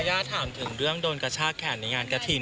ย่าถามถึงเรื่องโดนกระชากแขนในงานกระถิ่น